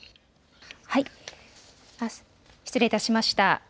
失礼いたしました。